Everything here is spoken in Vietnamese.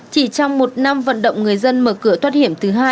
chỉ trong một năm vận động người dân mở cửa thoát hiểm thứ hai